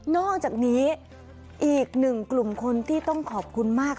อกจากนี้อีกหนึ่งกลุ่มคนที่ต้องขอบคุณมาก